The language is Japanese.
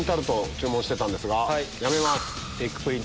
注文してたんですがやめます。